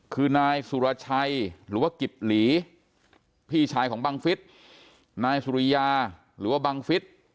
คือนายสุรชัยหรือว่ากิบหลีพี่ชายของบังฟิศนายสุริยาหรือว่าบังฟิศ